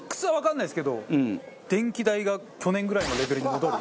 電気代が去年ぐらいのレベルに戻る。